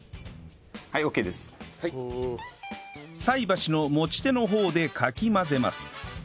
菜箸の持ち手の方でかき混ぜます